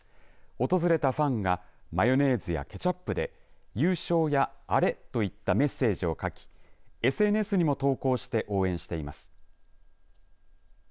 訪れたファンがマヨネーズやケチャップで優勝やアレといったメッセージを書きＳＮＳにも投稿して応援しています。